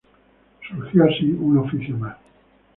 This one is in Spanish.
Surgió, así, un oficio más.